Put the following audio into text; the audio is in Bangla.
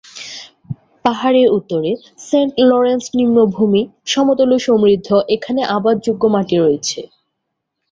পাহাড়ের উত্তরে, সেন্ট লরেন্স নিম্নভূমি সমতল ও সমৃদ্ধ, এখানে আবাদযোগ্য মাটি রয়েছে।